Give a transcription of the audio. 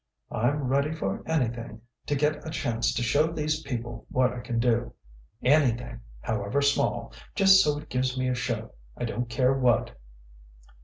"I'm ready for anything, to get a chance to show these people what I can do. Anything however small just so it gives me a show I don't care what!"